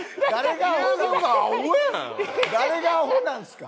誰がアホなんですか。